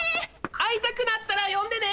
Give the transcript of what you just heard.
会いたくなったら呼んでね！